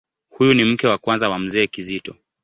Huyu ni mke wa kwanza wa Mzee Kizito.